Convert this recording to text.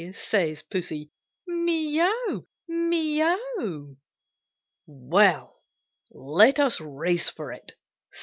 says Pussy, "mee ow, mee ow!" "Well, let us race for it!"